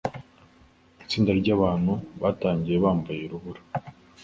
Itsinda ryabantu batangiye bambaye urubura